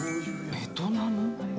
・ベトナム？